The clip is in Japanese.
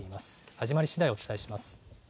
始まりしだい、お伝えします。